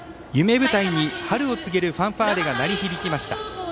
夢舞台に春を告げるファンファーレが鳴り響きました。